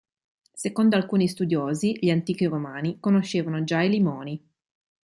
Secondo alcuni studiosi, gli antichi romani conoscevano già i limoni.